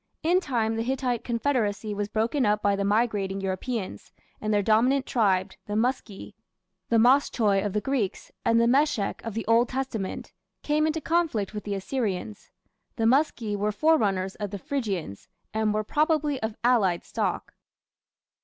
In time the Hittite confederacy was broken up by the migrating Europeans, and their dominant tribe, the Muski the Moschoi of the Greeks and the Meshech of the Old Testament came into conflict with the Assyrians. The Muski were forerunners of the Phrygians, and were probably of allied stock.